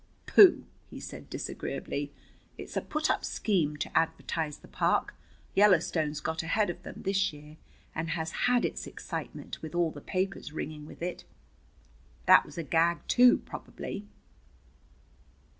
"Pooh!" he said disagreeably. "It's a put up scheme, to advertise the park. Yellowstone's got ahead of them this year, and has had its excitement, with all the papers ringing with it. That was a gag, too, probably."